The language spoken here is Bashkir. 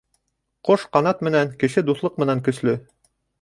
Ҡош ҡанат менән, кеше дуҫлыҡ менән көслө